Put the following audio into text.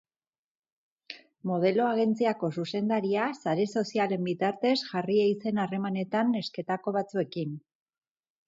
Modelo agentziako zuzendaria sare sozialen bitartez jarri ei zen harremanetan nesketako batzuekin.